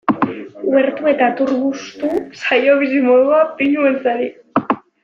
Uhertu eta turbustu zaio bizimodua pinu beltzari.